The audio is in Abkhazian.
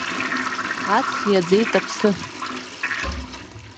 Аҵх иаӡеит аԥсы.